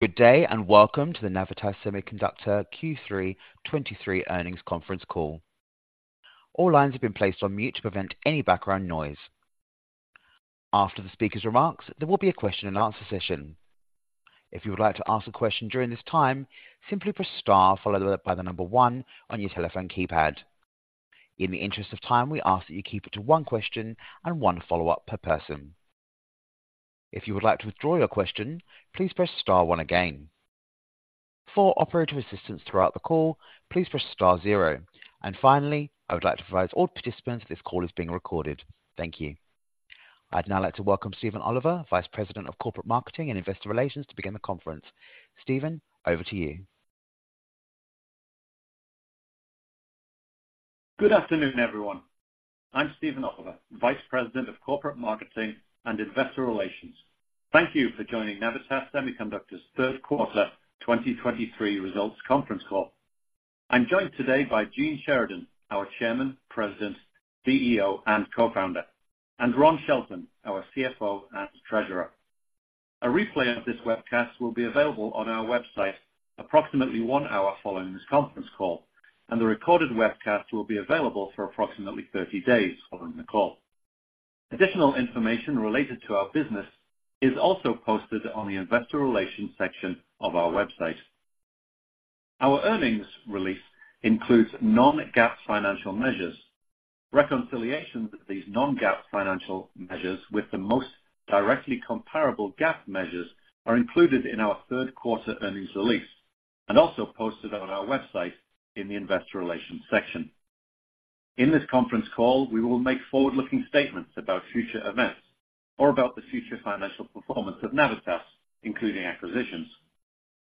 Good day, and welcome to the Navitas Semiconductor Q3 2023 earnings conference call. All lines have been placed on mute to prevent any background noise. After the speaker's remarks, there will be a question and answer session. If you would like to ask a question during this time, simply press star followed by the number one on your telephone keypad. In the interest of time, we ask that you keep it to one question and one follow-up per person. If you would like to withdraw your question, please press star one again. For operator assistance throughout the call, please press star zero. And finally, I would like to advise all participants this call is being recorded. Thank you. I'd now like to welcome Stephen Oliver, Vice President of Corporate Marketing and Investor Relations, to begin the conference. Stephen, over to you. Good afternoon, everyone. I'm Stephen Oliver, Vice President of Corporate Marketing and Investor Relations. Thank you for joining Navitas Semiconductor's third quarter 2023 results conference call. I'm joined today by Gene Sheridan, our Chairman, President, CEO, and Co-founder, and Ron Shelton, our CFO and Treasurer. A replay of this webcast will be available on our website approximately 1 hour following this conference call, and the recorded webcast will be available for approximately 30 days following the call. Additional information related to our business is also posted on the investor relations section of our website. Our earnings release includes non-GAAP financial measures. Reconciliations of these non-GAAP financial measures with the most directly comparable GAAP measures are included in our third quarter earnings release and also posted on our website in the investor relations section. In this conference call, we will make forward-looking statements about future events or about the future financial performance of Navitas, including acquisitions.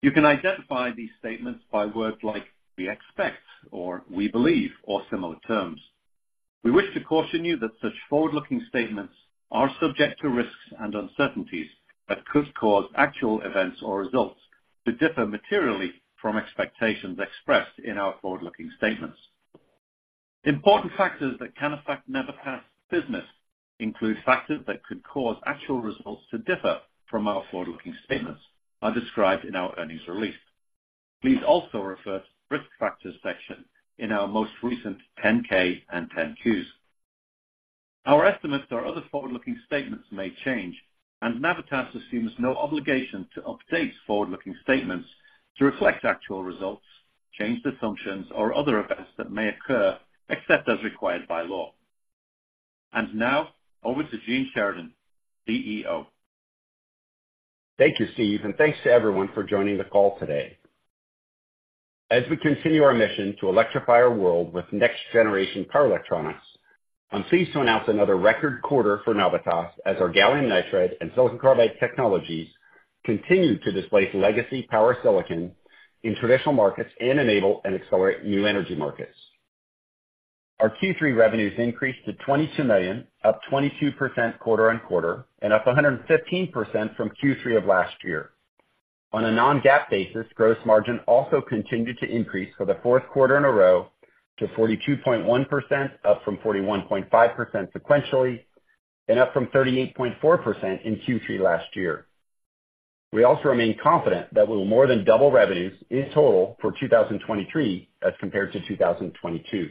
You can identify these statements by words like "we expect" or "we believe," or similar terms. We wish to caution you that such forward-looking statements are subject to risks and uncertainties that could cause actual events or results to differ materially from expectations expressed in our forward-looking statements. Important factors that can affect Navitas business include factors that could cause actual results to differ from our forward-looking statements are described in our earnings release. Please also refer to Risk Factors section in our most recent 10-K and 10-Qs. Our estimates or other forward-looking statements may change, and Navitas assumes no obligation to update forward-looking statements to reflect actual results, changed assumptions, or other events that may occur, except as required by law. Now over to Gene Sheridan, CEO. Thank you, Steve, and thanks to everyone for joining the call today. As we continue our mission to electrify our world with next-generation power electronics, I'm pleased to announce another record quarter for Navitas as our gallium nitride and silicon carbide technologies continue to displace legacy power silicon in traditional markets and enable and accelerate new energy markets. Our Q3 revenues increased to $22 million, up 22% quarter on quarter, and up 115% from Q3 of last year. On a non-GAAP basis, gross margin also continued to increase for the fourth quarter in a row to 42.1%, up from 41.5% sequentially, and up from 38.4% in Q3 last year. We also remain confident that we'll more than double revenues in total for 2023 as compared to 2022.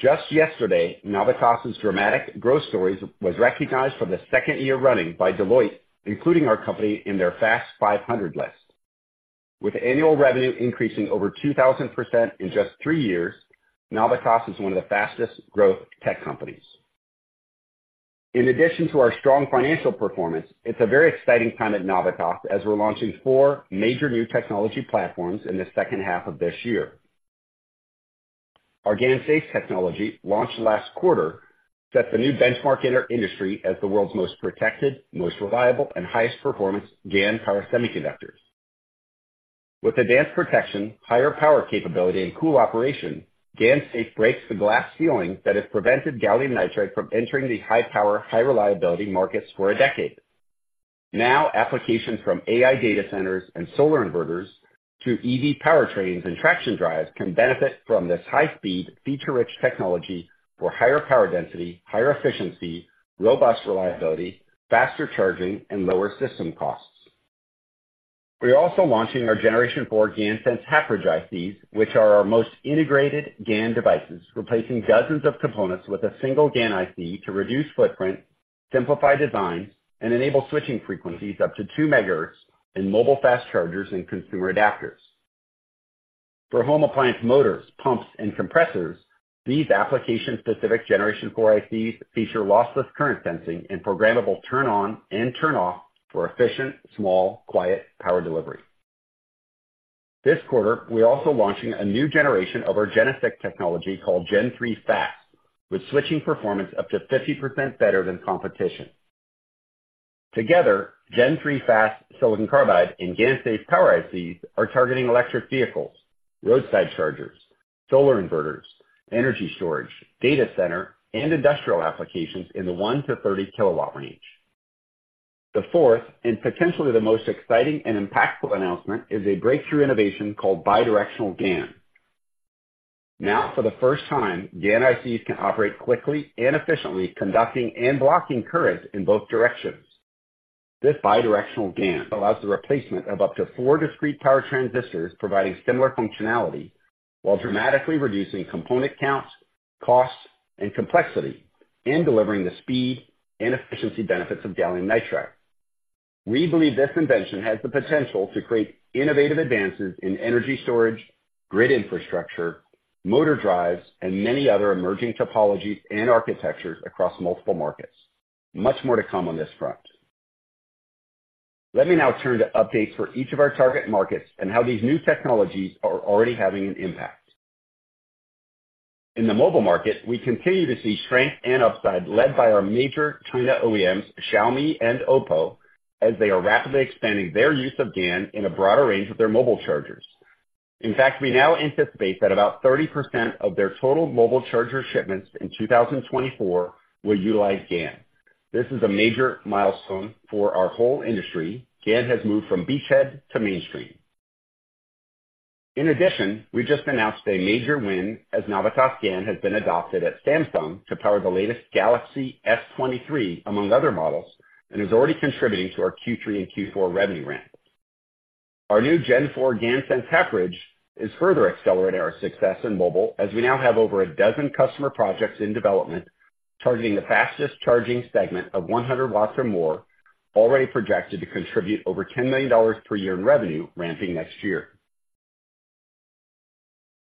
Just yesterday, Navitas' dramatic growth stories was recognized for the second year running by Deloitte, including our company in their Fast 500 list. With annual revenue increasing over 2,000% in just three years, Navitas is one of the fastest growth tech companies. In addition to our strong financial performance, it's a very exciting time at Navitas as we're launching four major new technology platforms in the second half of this year. Our GaNSafe technology, launched last quarter, sets a new benchmark in our industry as the world's most protected, most reliable, and highest performance GaN power semiconductors. With advanced protection, higher power capability, and cool operation, GaN Safe breaks the glass ceiling that has prevented gallium nitride from entering the high power, high reliability markets for a decade. Now, applications from AI data centers and solar inverters to EV powertrains and traction drives can benefit from this high-speed, feature-rich technology for higher power density, higher efficiency, robust reliability, faster charging, and lower system costs. We are also launching our Generation 4 GaNSense half-bridge ICs, which are our most integrated GaN devices, replacing dozens of components with a single GaN IC to reduce footprint, simplify design, and enable switching frequencies up to 2 MHz in mobile fast chargers and consumer adapters. For home appliance motors, pumps, and compressors, these application-specific Generation 4 ICs feature lossless current sensing and programmable turn on and turn off for efficient, small, quiet power delivery. This quarter, we're also launching a new generation of our GeneSiC technology called Gen 3 Fast, with switching performance up to 50% better than competition. Together, Gen3 Fast silicon carbide and GaNSafe power ICs are targeting electric vehicles, roadside chargers, solar inverters, energy storage, data center, and industrial applications in the 1-30 kW range. The fourth, and potentially the most exciting and impactful announcement, is a breakthrough innovation called bidirectional GaN. Now, for the first time, GaN ICs can operate quickly and efficiently, conducting and blocking currents in both directions. This bidirectional GaN allows the replacement of up to 4 discrete power transistors, providing similar functionality while dramatically reducing component counts, costs, and complexity, and delivering the speed and efficiency benefits of gallium nitride. We believe this invention has the potential to create innovative advances in energy storage, grid infrastructure, motor drives, and many other emerging topologies and architectures across multiple markets. Much more to come on this front. Let me now turn to updates for each of our target markets and how these new technologies are already having an impact. In the mobile market, we continue to see strength and upside, led by our major China OEMs, Xiaomi and OPPO, as they are rapidly expanding their use of GaN in a broader range of their mobile chargers. In fact, we now anticipate that about 30% of their total mobile charger shipments in 2024 will utilize GaN. This is a major milestone for our whole industry. GaN has moved from beachhead to mainstream. In addition, we just announced a major win, as Navitas GaN has been adopted at Samsung to power the latest Galaxy S23, among other models, and is already contributing to our Q3 and Q4 revenue ramp. Our new Gen 4 GaNSense bridge is further accelerating our success in mobile, as we now have over a dozen customer projects in development, targeting the fastest-charging segment of 100 watts or more, already projected to contribute over $10 million per year in revenue, ramping next year.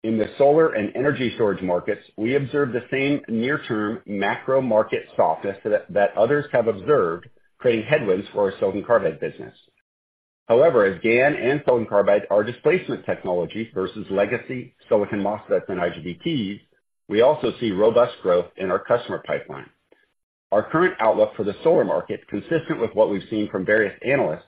In the solar and energy storage markets, we observe the same near-term macro market softness that others have observed, creating headwinds for our silicon carbide business. However, as GaN and silicon carbide are displacement technologies versus legacy silicon MOSFET and IGBT, we also see robust growth in our customer pipeline. Our current outlook for the solar market, consistent with what we've seen from various analysts,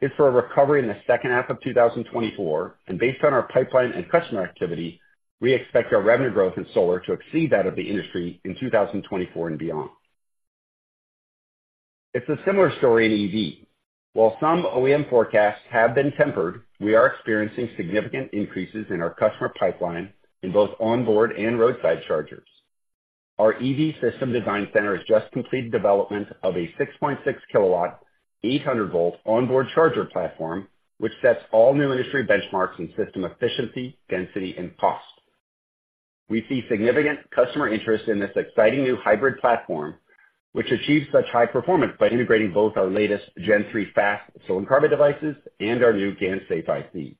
is for a recovery in the second half of 2024, and based on our pipeline and customer activity, we expect our revenue growth in solar to exceed that of the industry in 2024 and beyond. It's a similar story in EV. While some OEM forecasts have been tempered, we are experiencing significant increases in our customer pipeline in both onboard and roadside chargers. Our EV System Design Center has just completed development of a 6.6-kilowatt, 800-volt onboard charger platform, which sets all new industry benchmarks in system efficiency, density, and cost. We see significant customer interest in this exciting new hybrid platform, which achieves such high performance by integrating both our latest Gen Three fast silicon carbide devices and our new GaN Safe ICs.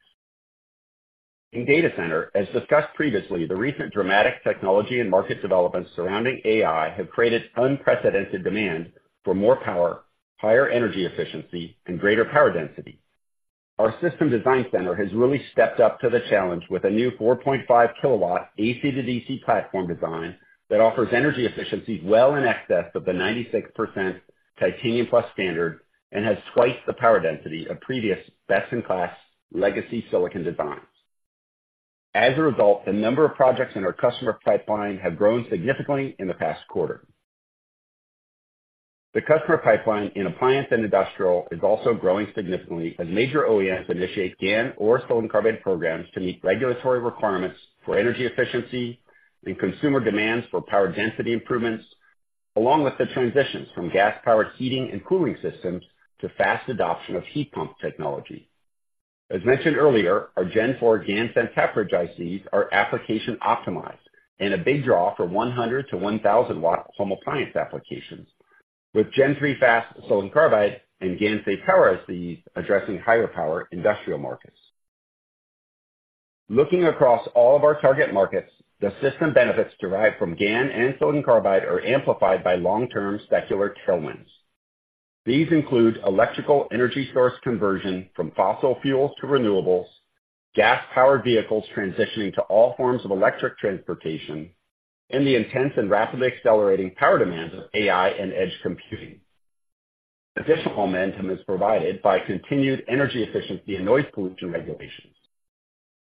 In data center, as discussed previously, the recent dramatic technology and market developments surrounding AI have created unprecedented demand for more power, higher energy efficiency, and greater power density. Our system design center has really stepped up to the challenge with a new 4.5 kW AC to DC platform design that offers energy efficiencies well in excess of the 96% Titanium Plus standard and has twice the power density of previous best-in-class legacy silicon designs. As a result, the number of projects in our customer pipeline have grown significantly in the past quarter. The customer pipeline in appliance and industrial is also growing significantly as major OEMs initiate GaN or silicon carbide programs to meet regulatory requirements for energy efficiency and consumer demands for power density improvements, along with the transitions from gas-powered heating and cooling systems to fast adoption of heat pump technology. As mentioned earlier, our Gen 4 GaN half-bridge ICs are application-optimized and a big draw for 100-1,000-watt home appliance applications, with Gen 3 fast silicon carbide and GaN Safe power ICs addressing higher power industrial markets. Looking across all of our target markets, the system benefits derived from GaN and silicon carbide are amplified by long-term secular tailwinds. These include electrical energy source conversion from fossil fuels to renewables, gas-powered vehicles transitioning to all forms of electric transportation, and the intense and rapidly accelerating power demands of AI and edge computing. Additional momentum is provided by continued energy efficiency and noise pollution regulations.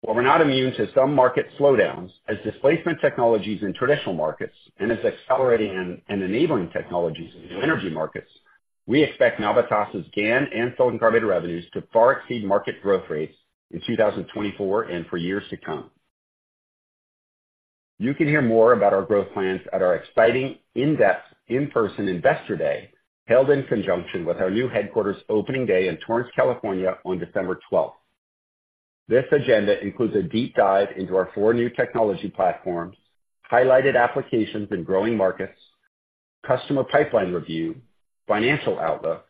While we're not immune to some market slowdowns, as displacement technologies in traditional markets and as accelerating and enabling technologies in new energy markets, we expect Navitas' GaN and silicon carbide revenues to far exceed market growth rates in 2024 and for years to come. You can hear more about our growth plans at our exciting, in-depth, in-person Investor Day, held in conjunction with our new headquarters opening day in Torrance, California, on December 12. This agenda includes a deep dive into our four new technology platforms, highlighted applications in growing markets, customer pipeline review, financial outlook,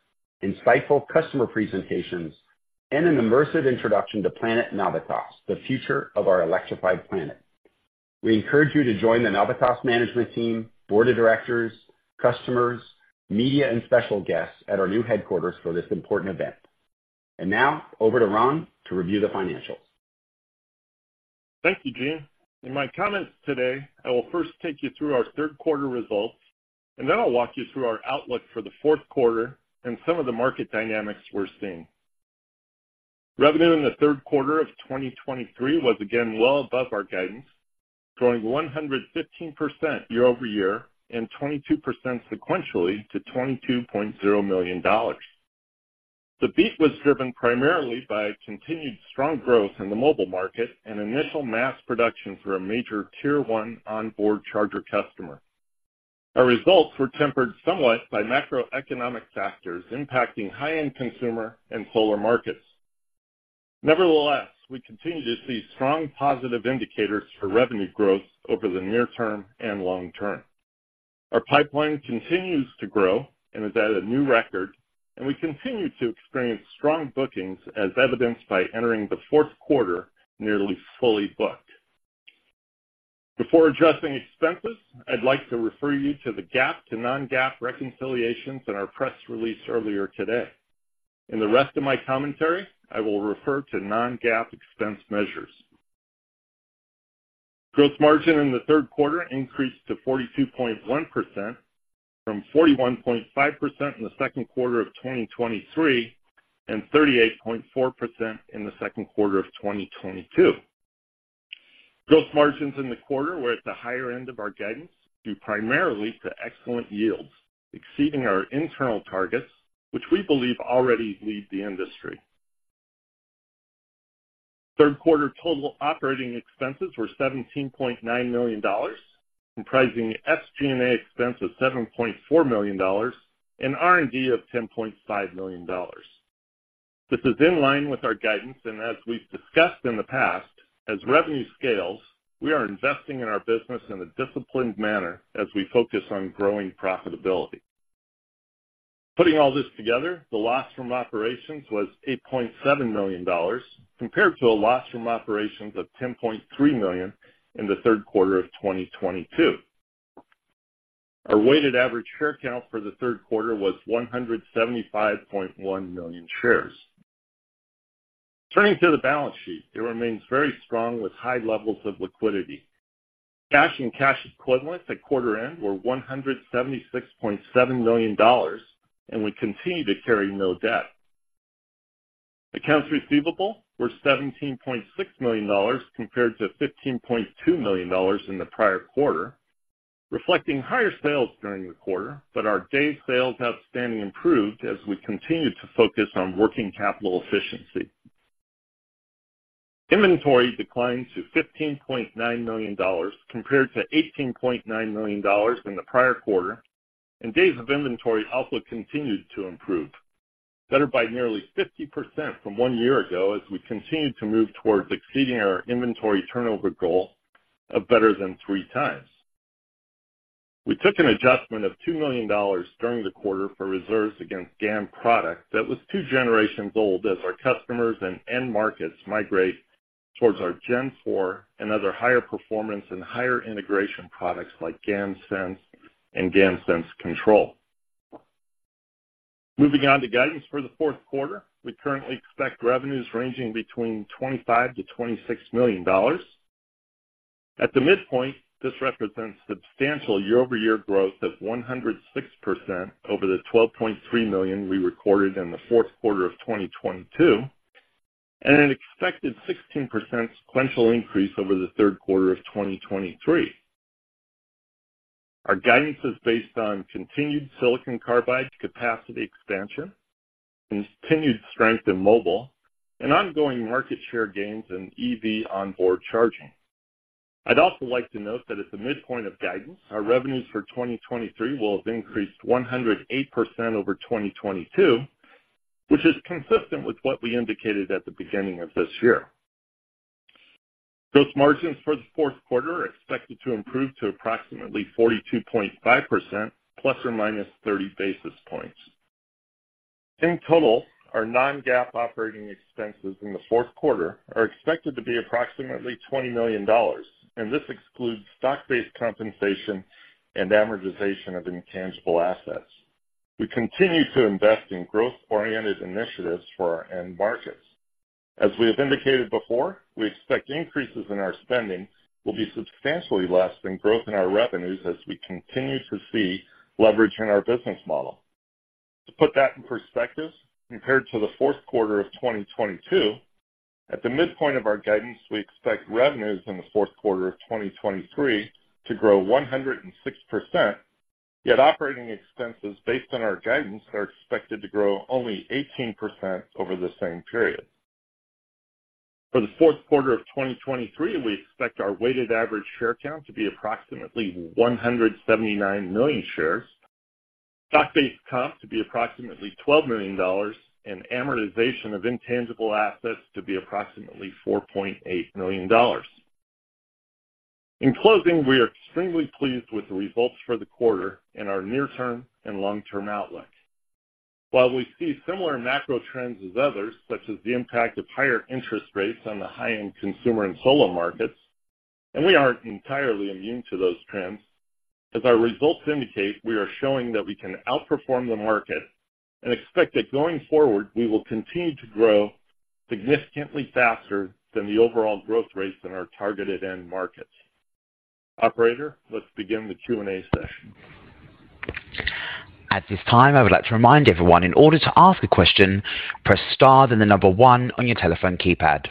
insightful customer presentations, and an immersive introduction to Planet Navitas, the future of our electrified planet. We encourage you to join the Navitas management team, board of directors, customers, media, and special guests at our new headquarters for this important event. Now over to Ron to review the financials. Thank you, Gene. In my comments today, I will first take you through our third quarter results, and then I'll walk you through our outlook for the fourth quarter and some of the market dynamics we're seeing. Revenue in the third quarter of 2023 was again well above our guidance, growing 115% year-over-year and 22% sequentially to $22.0 million. The beat was driven primarily by continued strong growth in the mobile market and initial mass production for a major Tier One onboard charger customer. Our results were tempered somewhat by macroeconomic factors impacting high-end consumer and solar markets. Nevertheless, we continue to see strong positive indicators for revenue growth over the near term and long term. Our pipeline continues to grow and is at a new record, and we continue to experience strong bookings as evidenced by entering the fourth quarter nearly fully booked. Before addressing expenses, I'd like to refer you to the GAAP to non-GAAP reconciliations in our press release earlier today. In the rest of my commentary, I will refer to non-GAAP expense measures. Gross margin in the third quarter increased to 42.1%, from 41.5% in the second quarter of 2023, and 38.4% in the second quarter of 2022. Gross margins in the quarter were at the higher end of our guidance, due primarily to excellent yields, exceeding our internal targets, which we believe already lead the industry. Third quarter total operating expenses were $17.9 million, comprising SG&A expense of $7.4 million and R&D of $10.5 million. This is in line with our guidance, and as we've discussed in the past, as revenue scales, we are investing in our business in a disciplined manner as we focus on growing profitability. Putting all this together, the loss from operations was $8.7 million, compared to a loss from operations of $10.3 million in the third quarter of 2022. Our weighted average share count for the third quarter was 175.1 million shares. Turning to the balance sheet, it remains very strong with high levels of liquidity. Cash and cash equivalents at quarter end were $176.7 million, and we continue to carry no debt. Accounts receivable were $17.6 million, compared to $15.2 million in the prior quarter, reflecting higher sales during the quarter, but our day sales outstanding improved as we continued to focus on working capital efficiency. Inventory declined to $15.9 million, compared to $18.9 million in the prior quarter, and days of inventory also continued to improve, better by nearly 50% from one year ago, as we continued to move towards exceeding our inventory turnover goal of better than three times. We took an adjustment of $2 million during the quarter for reserves against GaN product that was two generations old, as our customers and end markets migrate towards our Gen 4 and other higher performance and higher integration products like GaNSense and GaNSense Control. Moving on to guidance for the fourth quarter. We currently expect revenues ranging between $25 million-$26 million. At the midpoint, this represents substantial year-over-year growth of 106% over the $12.3 million we recorded in the fourth quarter of 2022, and an expected 16% sequential increase over the third quarter of 2023. Our guidance is based on continued silicon carbide capacity expansion, continued strength in mobile, and ongoing market share gains in EV onboard charging. I'd also like to note that at the midpoint of guidance, our revenues for 2023 will have increased 108% over 2022, which is consistent with what we indicated at the beginning of this year. Gross margins for the fourth quarter are expected to improve to approximately 42.5% ±30 basis points. In total, our non-GAAP operating expenses in the fourth quarter are expected to be approximately $20 million, and this excludes stock-based compensation and amortization of intangible assets. We continue to invest in growth-oriented initiatives for our end markets. As we have indicated before, we expect increases in our spending will be substantially less than growth in our revenues as we continue to see leverage in our business model. To put that in perspective, compared to the fourth quarter of 2022, at the midpoint of our guidance, we expect revenues in the fourth quarter of 2023 to grow 106%, yet operating expenses based on our guidance are expected to grow only 18% over the same period. For the fourth quarter of 2023, we expect our weighted average share count to be approximately 179 million shares, stock-based costs to be approximately $12 million, and amortization of intangible assets to be approximately $4.8 million. In closing, we are extremely pleased with the results for the quarter and our near-term and long-term outlook. While we see similar macro trends as others, such as the impact of higher interest rates on the high-end consumer and solar markets, and we aren't entirely immune to those trends, as our results indicate, we are showing that we can outperform the market and expect that going forward, we will continue to grow significantly faster than the overall growth rates in our targeted end markets. Operator, let's begin the Q&A session. At this time, I would like to remind everyone, in order to ask a question, press star, then the number one on your telephone keypad.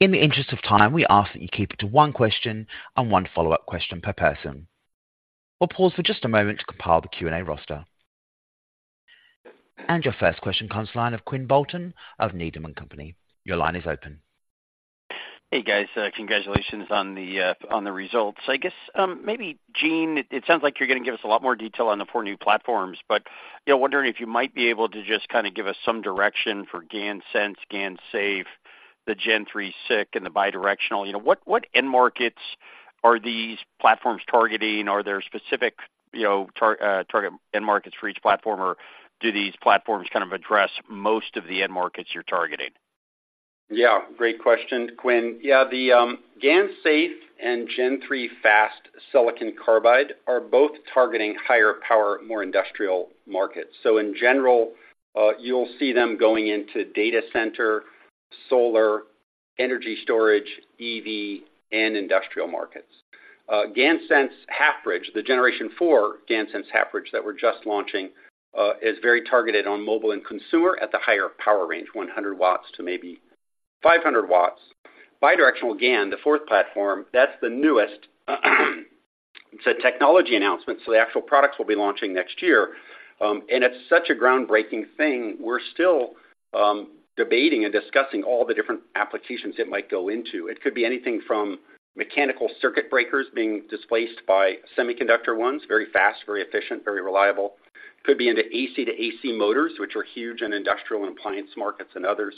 In the interest of time, we ask that you keep it to one question and one follow-up question per person. We'll pause for just a moment to compile the Q&A roster. Your first question comes to the line of Quinn Bolton of Needham and Company. Your line is open. Hey, guys, congratulations on the results. I guess, maybe Gene, it sounds like you're gonna give us a lot more detail on the four new platforms, but, you know, wondering if you might be able to just kind of give us some direction for GaNSense, GaNSafe, the Gen 3 SiC, and the bidirectional. You know, what end markets are these platforms targeting? Are there specific, you know, target end markets for each platform, or do these platforms kind of address most of the end markets you're targeting? Yeah, great question, Quinn. Yeah, the GaNSafe and Gen-3 GaNFast silicon carbide are both targeting higher power, more industrial markets. So in general, you'll see them going into data center, solar, energy storage, EV, and industrial markets. GaNSense half bridge, the Gen-4 GaNSense half bridge that we're just launching, is very targeted on mobile and consumer at the higher power range, 100 watts to maybe 500 watts. Bidirectional GaN, the fourth platform, that's the newest, it's a technology announcement, so the actual products will be launching next year. And it's such a groundbreaking thing. We're still debating and discussing all the different applications it might go into. It could be anything from mechanical circuit breakers being displaced by semiconductor ones, very fast, very efficient, very reliable. Could be into AC to AC motors, which are huge in industrial and appliance markets and others.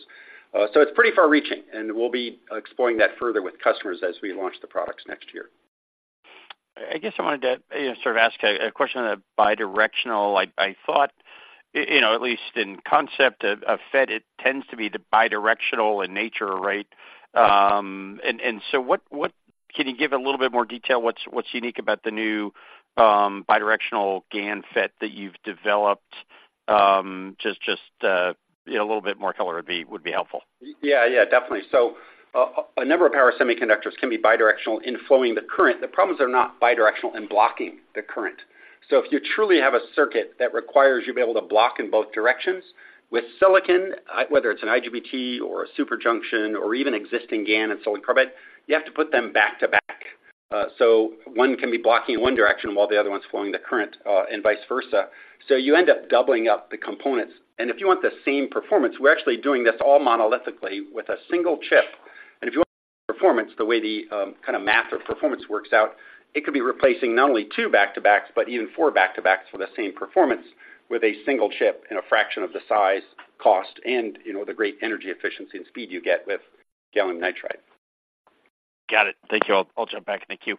So it's pretty far-reaching, and we'll be exploring that further with customers as we launch the products next year. I guess I wanted to, you know, sort of ask a question on the bidirectional. Like, I thought, you know, at least in concept of FET, it tends to be bidirectional in nature, right? And so what can you give a little bit more detail what's unique about the new bidirectional GaN FET that you've developed? Just you know, a little bit more color would be helpful. Yeah, yeah, definitely. So, a number of power semiconductors can be bidirectional in flowing the current. The problems are not bidirectional in blocking the current. So if you truly have a circuit that requires you to be able to block in both directions, with silicon, whether it's an IGBT or a Super Junction, or even existing GaN and silicon carbide, you have to put them back-to-back. So one can be blocking in one direction while the other one's flowing the current, and vice versa. So you end up doubling up the components. And if you want the same performance, we're actually doing this all monolithically with a single chip. If you want performance, the way the kind of math of performance works out, it could be replacing not only two back-to-backs, but even four back-to-backs for the same performance with a single chip in a fraction of the size, cost, and, you know, the great energy efficiency and speed you get with gallium nitride. Got it. Thank you. I'll, I'll jump back in the queue.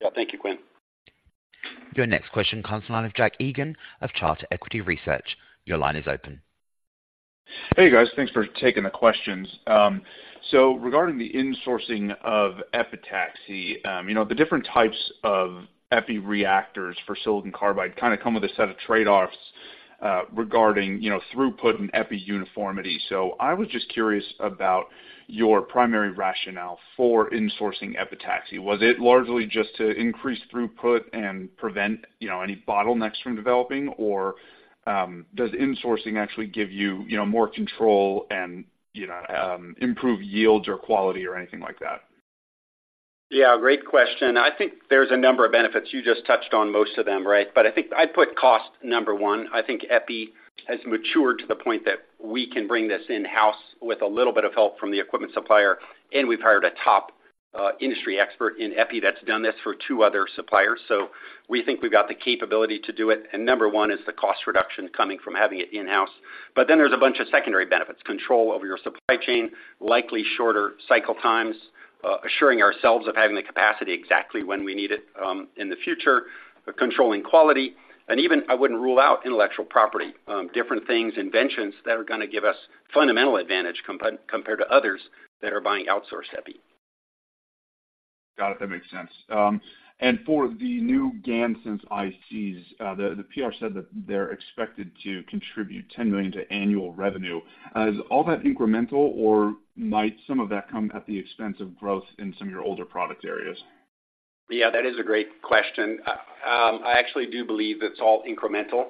Yeah. Thank you, Quinn. Your next question comes from the line of Jack Egan of Charter Equity Research. Your line is open. Hey, guys, thanks for taking the questions. So regarding the insourcing of epitaxy, you know, the different types of epi reactors for silicon carbide kind of come with a set of trade-offs, regarding, you know, throughput and epi uniformity. So I was just curious about your primary rationale for insourcing epitaxy. Was it largely just to increase throughput and prevent, you know, any bottlenecks from developing? Or, does insourcing actually give you, you know, more control and, you know, improve yields or quality or anything like that? Yeah, great question. I think there's a number of benefits. You just touched on most of them, right? But I think I'd put cost number one. I think epi has matured to the point that we can bring this in-house with a little bit of help from the equipment supplier, and we've hired a top industry expert in epi that's done this for two other suppliers. So we think we've got the capability to do it, and number one is the cost reduction coming from having it in-house. But then there's a bunch of secondary benefits: control over your supply chain, likely shorter cycle times, assuring ourselves of having the capacity exactly when we need it, in the future, controlling quality, and even I wouldn't rule out intellectual property, different things, inventions that are gonna give us fundamental advantage compared to others that are buying outsourced epi. Got it. That makes sense. For the new GaNSense ICs, the PR said that they're expected to contribute $10 million to annual revenue. Is all that incremental, or might some of that come at the expense of growth in some of your older product areas? Yeah, that is a great question. I actually do believe it's all incremental.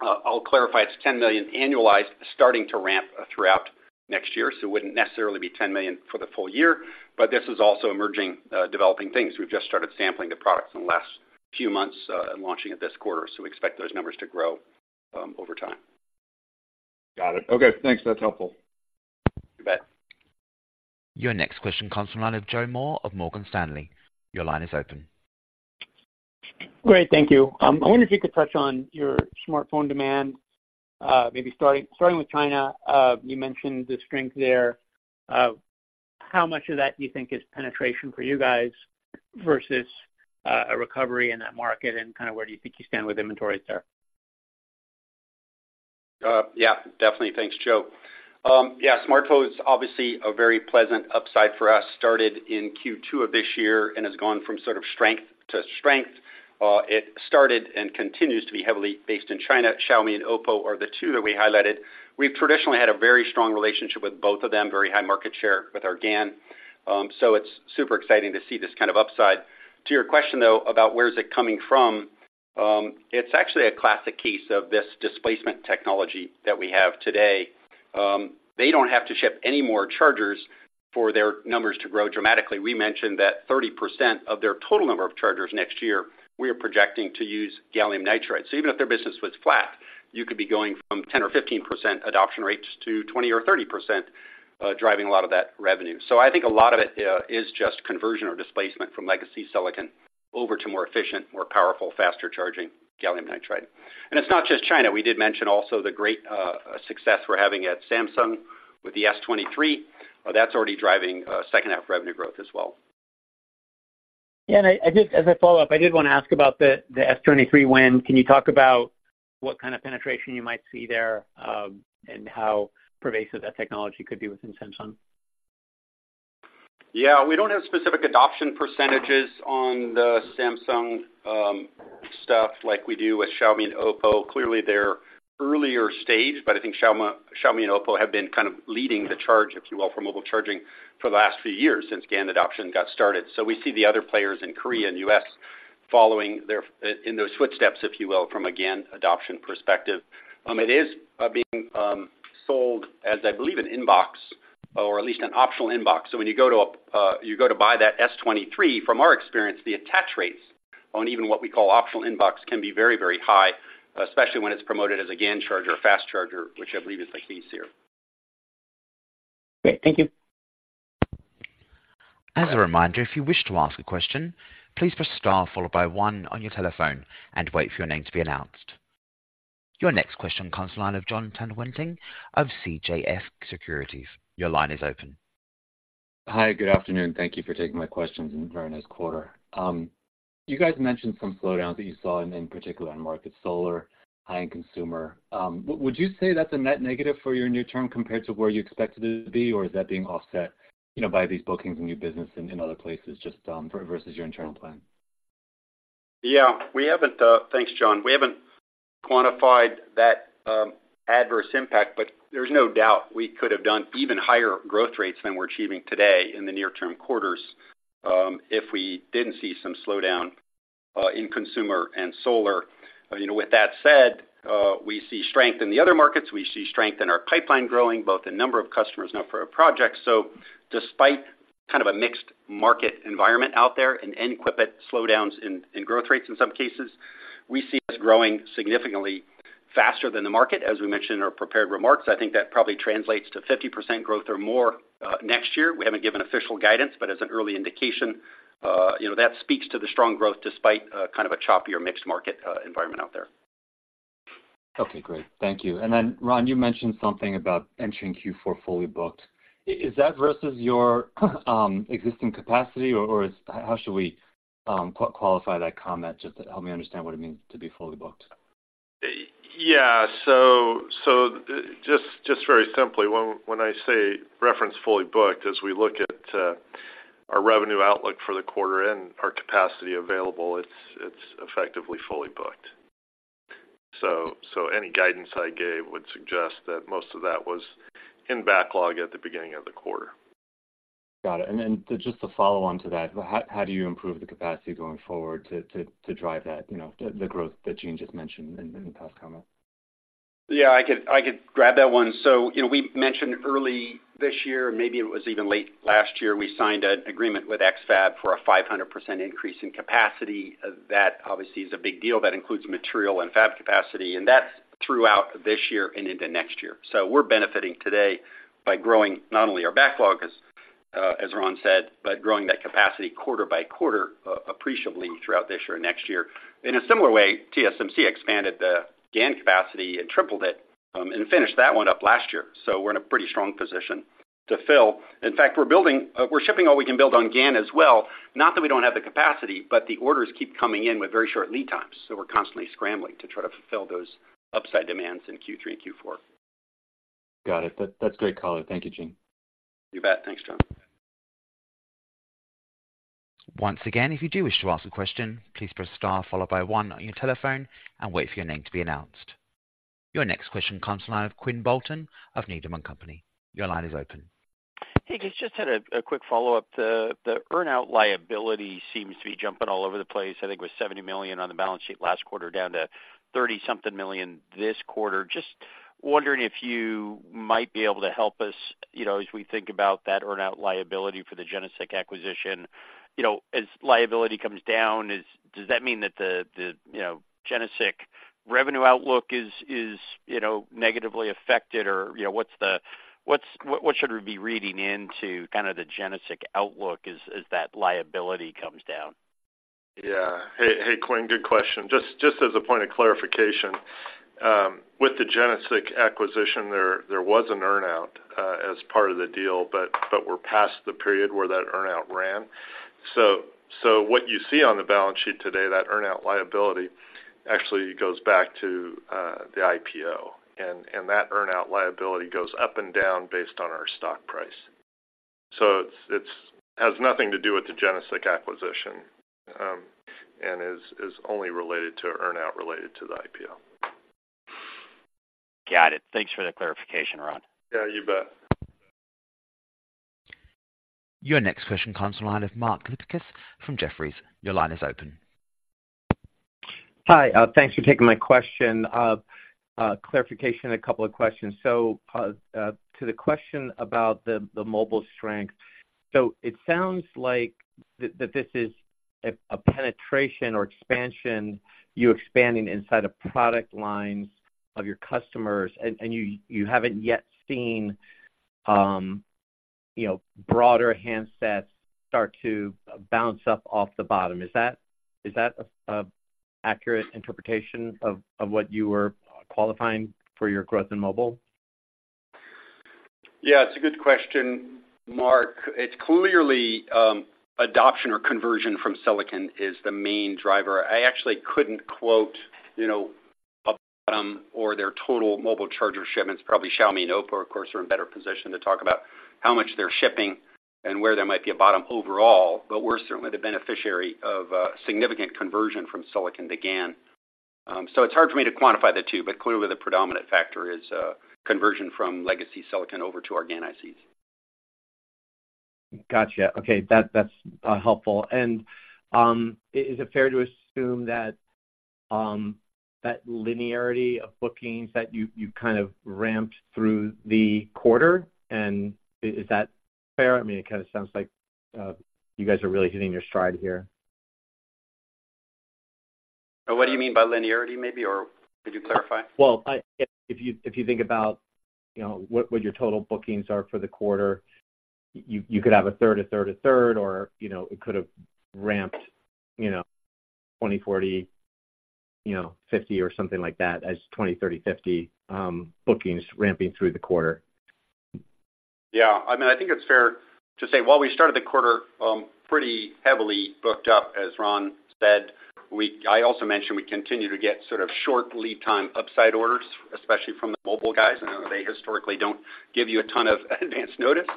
I'll clarify. It's $10 million annualized, starting to ramp throughout next year, so it wouldn't necessarily be $10 million for the full year. But this is also emerging, developing things. We've just started sampling the products in the last few months, and launching it this quarter, so we expect those numbers to grow, over time. Got it. Okay, thanks. That's helpful. You bet. Your next question comes from the line of Joe Moore of Morgan Stanley. Your line is open. Great, thank you. I wonder if you could touch on your smartphone demand, maybe starting with China. How much of that do you think is penetration for you guys versus a recovery in that market? And kind of where do you think you stand with inventories there? Yeah, definitely. Thanks, Joe. Yeah, smartphone is obviously a very pleasant upside for us. Started in Q2 of this year and has gone from sort of strength to strength. It started and continues to be heavily based in China. Xiaomi and OPPO are the two that we highlighted. We've traditionally had a very strong relationship with both of them, very high market share with our GaN, so it's super exciting to see this kind of upside. To your question, though, about where is it coming from? It's actually a classic case of this displacement technology that we have today. They don't have to ship any more chargers for their numbers to grow dramatically. We mentioned that 30% of their total number of chargers next year, we are projecting to use gallium nitride. So even if their business was flat, you could be going from 10% or 15% adoption rates to 20% or 30%, driving a lot of that revenue. So I think a lot of it is just conversion or displacement from legacy silicon over to more efficient, more powerful, faster charging gallium nitride. And it's not just China. We did mention also the great success we're having at Samsung with the S23. That's already driving second half revenue growth as well. Yeah, and I just as a follow-up, I did want to ask about the S23 win. Can you talk about what kind of penetration you might see there, and how pervasive that technology could be within Samsung? Yeah, we don't have specific adoption percentages on the Samsung stuff like we do with Xiaomi and OPPO. Clearly, they're earlier stage, but I think Xiaomi, Xiaomi and OPPO have been kind of leading the charge, if you will, for mobile charging for the last few years since GaN adoption got started. So we see the other players in Korea and U.S. following their in those footsteps, if you will, from a GaN adoption perspective. It is being sold as I believe, an inbox or at least an optional inbox. So when you go to, you go to buy that S23, from our experience, the attach rates on even what we call optional inbox can be very, very high, especially when it's promoted as a GaN charger, a fast charger, which I believe is the case here. Great. Thank you. As a reminder, if you wish to ask a question, please press star followed by one on your telephone and wait for your name to be announced. Your next question comes line of Jon Tanwanteng of CJS Securities. Your line is open. Hi, good afternoon. Thank you for taking my questions and very nice quarter. You guys mentioned some slowdowns that you saw in, in particular on market solar, high-end consumer. Would you say that's a net negative for your near term compared to where you expected it to be, or is that being offset, you know, by these bookings and new business in, in other places, just versus your internal plan? Yeah, we haven't. Thanks, Jon. We haven't quantified that adverse impact, but there's no doubt we could have done even higher growth rates than we're achieving today in the near term quarters, if we didn't see some slowdown in consumer and solar. You know, with that said, we see strength in the other markets. We see strength in our pipeline growing, both the number of customers, now for our projects. So despite kind of a mixed market environment out there and equipment slowdowns in growth rates in some cases, we see us growing significantly faster than the market. As we mentioned in our prepared remarks, I think that probably translates to 50% growth or more next year. We haven't given official guidance, but as an early indication, you know, that speaks to the strong growth despite kind of a choppier mixed market environment out there. Okay, great. Thank you. And then, Ron, you mentioned something about entering Q4 fully booked. Is that versus your existing capacity, or how should we qualify that comment just to help me understand what it means to be fully booked? Yeah. So just very simply, when I say reference fully booked, as we look at our revenue outlook for the quarter and our capacity available, it's effectively fully booked. So any guidance I gave would suggest that most of that was in backlog at the beginning of the quarter. Got it. And then just to follow on to that, how do you improve the capacity going forward to drive that, you know, the growth that Gene just mentioned in the past comment? Yeah, I could grab that one. So, you know, we mentioned early this year, maybe it was even late last year, we signed an agreement with X-FAB for a 500% increase in capacity. That obviously is a big deal. That includes material and fab capacity, and that's throughout this year and into next year. So we're benefiting today by growing not only our backlog, as Ron said, but growing that capacity quarter by quarter, appreciably throughout this year and next year. In a similar way, TSMC expanded the GaN capacity and tripled it, and finished that one up last year. So we're in a pretty strong position to fill. In fact, we're shipping all we can build on GaN as well. Not that we don't have the capacity, but the orders keep coming in with very short lead times, so we're constantly scrambling to try to fulfill those upside demands in Q3 and Q4. Got it. That's great color. Thank you, Gene. You bet. Thanks, John. Once again, if you do wish to ask a question, please press star followed by one on your telephone and wait for your name to be announced. Your next question comes from the line of Quinn Bolton of Needham and Company. Your line is open. Hey, guys, just had a quick follow-up. The earn-out liability seems to be jumping all over the place. I think it was $70 million on the balance sheet last quarter, down to $30-something million this quarter. Just wondering if you might be able to help us, you know, as we think about that earn-out liability for the GeneSiC acquisition. You know, as liability comes down, is, does that mean that the you know GeneSiC revenue outlook is you know negatively affected? Or, you know, what's, what should we be reading into kind of the GeneSiC outlook as that liability comes down? Yeah. Hey, hey, Quinn, good question. Just as a point of clarification, with the GeneSiC acquisition, there was an earn-out as part of the deal, but we're past the period where that earn-out ran. So what you see on the balance sheet today, that earn-out liability actually goes back to the IPO, and that earn-out liability goes up and down based on our stock price. So it has nothing to do with the GeneSiC acquisition, and is only related to earn-out related to the IPO. Got it. Thanks for the clarification, Ron. Yeah, you bet. Your next question comes on the line of Mark Lipacis from Jefferies. Your line is open. Hi, thanks for taking my question. Clarification, a couple of questions. So, to the question about the mobile strength. So it sounds like that this is a penetration or expansion, you expanding inside of product lines of your customers and you haven't yet seen, you know, broader handsets start to bounce up off the bottom. Is that a accurate interpretation of what you were qualifying for your growth in mobile? Yeah, it's a good question, Mark. It's clearly, adoption or conversion from silicon is the main driver. I actually couldn't quote, you know, a bottom or their total mobile charger shipments. Probably Xiaomi and OPPO, of course, are in better position to talk about how much they're shipping and where there might be a bottom overall. But we're certainly the beneficiary of, significant conversion from silicon to GaN. So it's hard for me to quantify the two, but clearly the predominant factor is, conversion from legacy silicon over to our GaN ICs. Gotcha. Okay, that's helpful. And is it fair to assume that linearity of bookings that you kind of ramped through the quarter? And is that fair? I mean, it kind of sounds like you guys are really hitting your stride here. What do you mean by linearity, maybe, or could you clarify? Well, if you, if you think about, you know, what, what your total bookings are for the quarter, you, you could have a third, a third, a third, or, you know, it could have ramped, you know, 20, 40, you know, 50 or something like that, as 20, 30, 50 bookings ramping through the quarter. Yeah. I mean, I think it's fair to say while we started the quarter pretty heavily booked up, as Ron said, we. I also mentioned we continue to get sort of short lead time upside orders, especially from the mobile guys. I know they historically don't give you a ton of advanced notice,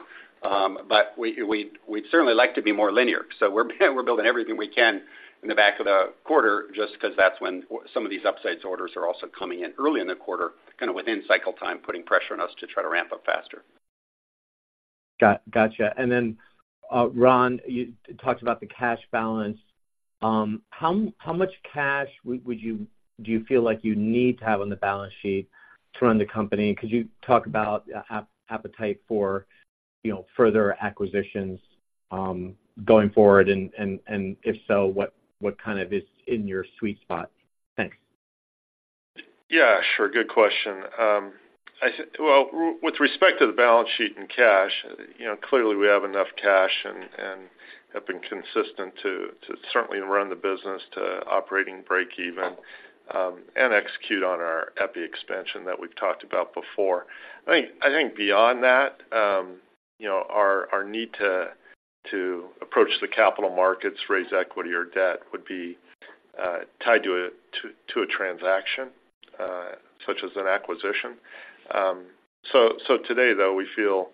but we'd certainly like to be more linear. So we're building everything we can in the back of the quarter, just because that's when some of these upside orders are also coming in early in the quarter, kind of within cycle time, putting pressure on us to try to ramp up faster. Gotcha. And then, Ron, you talked about the cash balance. How much cash would you feel like you need to have on the balance sheet to run the company? Because you talk about appetite for, you know, further acquisitions going forward, and if so, what kind of is in your sweet spot? Thanks. Yeah, sure. Good question. I think well with respect to the balance sheet and cash, you know, clearly we have enough cash and have been consistent to certainly run the business to operating break even, and execute on our epi expansion that we've talked about before. I think beyond that, you know, our need to approach the capital markets, raise equity or debt, would be tied to a transaction, such as an acquisition. So today, though, we feel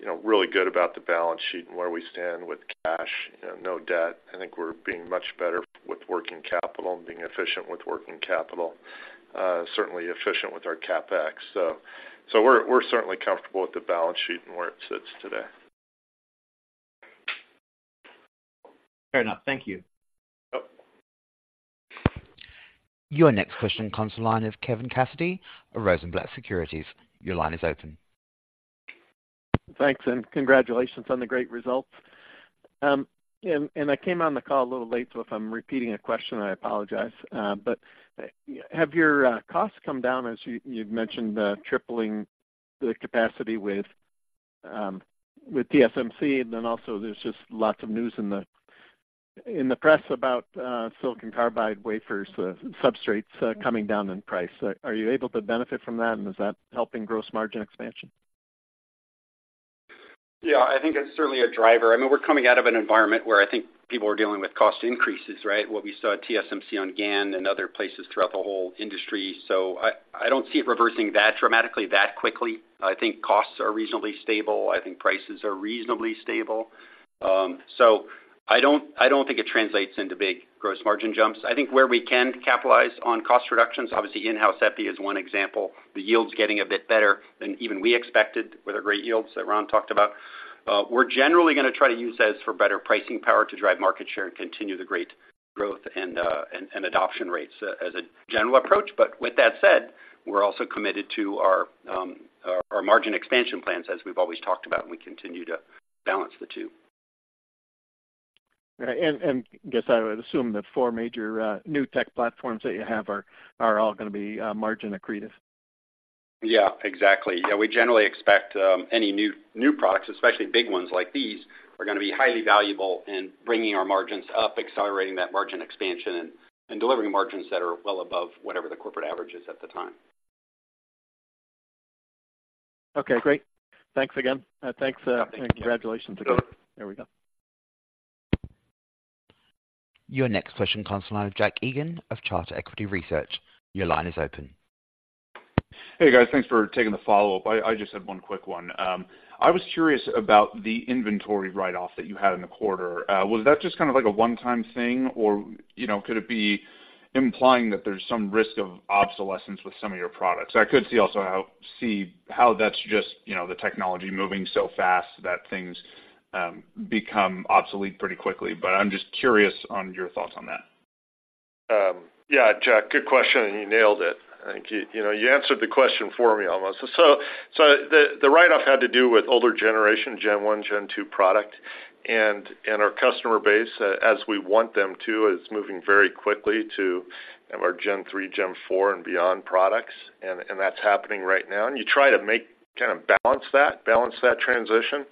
you know, really good about the balance sheet and where we stand with cash, you know, no debt. I think we're being much better with working capital and being efficient with working capital, certainly efficient with our CapEx. So we're certainly comfortable with the balance sheet and where it sits today. Fair enough. Thank you. Yep. Your next question comes from the line of Kevin Cassidy of Rosenblatt Securities. Your line is open. Thanks, and congratulations on the great results. And I came on the call a little late, so if I'm repeating a question, I apologize. But have your costs come down as you've mentioned tripling the capacity with TSMC? And then also, there's just lots of news in the press about silicon carbide wafers, substrates coming down in price. Are you able to benefit from that, and is that helping gross margin expansion? Yeah, I think it's certainly a driver. I mean, we're coming out of an environment where I think people are dealing with cost increases, right? What we saw at TSMC on GaN and other places throughout the whole industry. So I don't see it reversing that dramatically, that quickly. I think costs are reasonably stable. I think prices are reasonably stable. So I don't think it translates into big gross margin jumps. I think where we can capitalize on cost reductions, obviously in-house EPI is one example. The yield's getting a bit better than even we expected with our great yields that Ron talked about. We're generally going to try to use this for better pricing power to drive market share and continue the great growth and adoption rates as a general approach. But with that said, we're also committed to our margin expansion plans, as we've always talked about, and we continue to balance the two. Right. And I guess I would assume that 4 major new tech platforms that you have are all going to be margin accretive. Yeah, exactly. Yeah, we generally expect any new products, especially big ones like these, are going to be highly valuable in bringing our margins up, accelerating that margin expansion and delivering margins that are well above whatever the corporate average is at the time. Okay, great. Thanks again. Thanks, Yeah. Thank you. Congratulations again. There we go. Your next question comes from the line of Jack Egan of Charter Equity Research. Your line is open. Hey, guys. Thanks for taking the follow-up. I, I just had one quick one. I was curious about the inventory write-off that you had in the quarter. Was that just kind of like a one-time thing, or, you know, could it be implying that there's some risk of obsolescence with some of your products? I could see also how that's just, you know, the technology moving so fast that things become obsolete pretty quickly, but I'm just curious on your thoughts on that. Yeah, Jack, good question, and you nailed it. I think you know you answered the question for me almost. So the write-off had to do with older generation, Gen 1, Gen 2 product. And our customer base, as we want them to, is moving very quickly to our Gen 3, Gen 4, and beyond products, and that's happening right now. And you try to make kind of balance that balance that transition,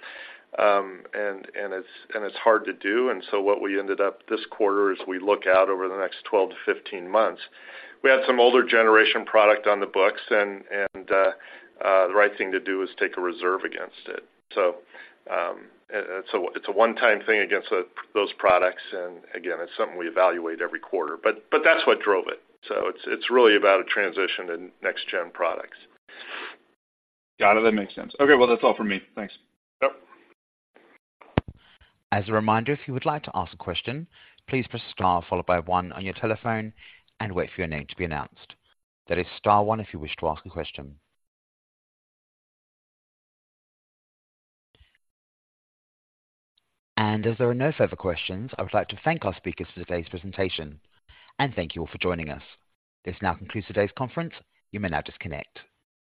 and it's hard to do. And so what we ended up this quarter, as we look out over the next 12-15 months, we had some older generation product on the books and the right thing to do is take a reserve against it. So, and so it's a one-time thing against those products, and again, it's something we evaluate every quarter. But, but that's what drove it. So it's, it's really about a transition in next gen products. Got it. That makes sense. Okay, well, that's all for me. Thanks. Yep. As a reminder, if you would like to ask a question, please press star followed by one on your telephone and wait for your name to be announced. That is star one if you wish to ask a question. And as there are no further questions, I would like to thank our speakers for today's presentation and thank you all for joining us. This now concludes today's conference. You may now disconnect.